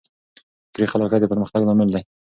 فکري خلاقیت د پرمختګ لامل دی.